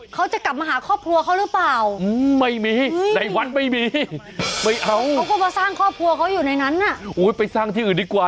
เขาจะกลับมาหาครอบครัวเขาหรือเปล่า